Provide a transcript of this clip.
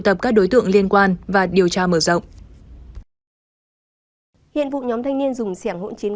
tập các đối tượng liên quan và điều tra mở rộng hiện vụ nhóm thanh niên dùng sẻng hỗn chiến